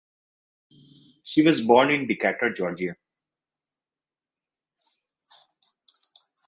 She was born in Decatur, Georgia.